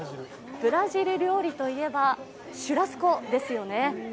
ブラジル料理といえばシュラスコですよね。